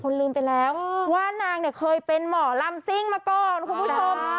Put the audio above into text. ลืมไปแล้วว่านางเนี่ยเคยเป็นหมอลำซิ่งมาก่อนคุณผู้ชม